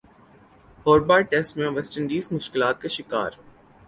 Hobart test میں West Indies مشکلات کا شکار